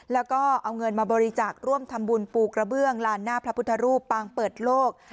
แล้วก็เอาเงินมาบริจาคร่วมทำบุญปูกระเบื้องลานหน้าพระพุทธรูปปางเปิดโลก